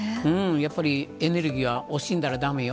やっぱりエネルギーは惜しんだらだめよ。